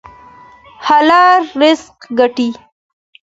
حلال رزق ګټئ